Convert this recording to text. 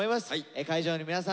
会場の皆さん